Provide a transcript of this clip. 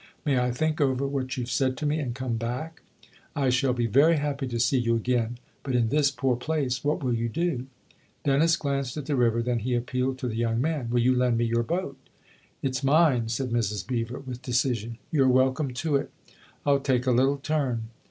" May I think over what you've said to me and come back ?"" I shall be very happy to see you again. But, in this poor place, what will you do ?" Dennis glanced at the river; then he appealed to the young man. "Will you lend me your boat?" " It's mine," said Mrs. Beever, with decision. " You're welcome to it." " I'll take a little turn."